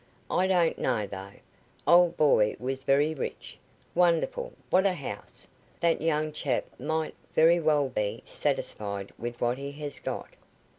I don't know, though. Old boy was very rich. Wonderful! What a house! That young chap might very well be satisfied with what he has got."